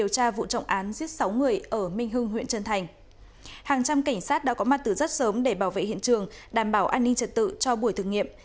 cảnh sát đã có mặt từ rất sớm để bảo vệ hiện trường đảm bảo an ninh trật tự cho buổi thực nghiệm